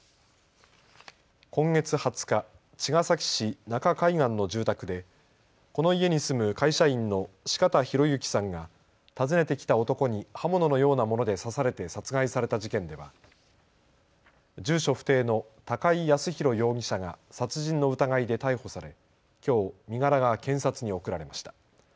今月２０日、茅ヶ崎市中海岸の住宅でこの家に住む会社員の四方洋行さんが訪ねてきた男に刃物のようなもので刺されて殺害された事件では住所不定の高井靖弘容疑者が殺人の疑いで逮捕され、きょう身柄が検察に送られました。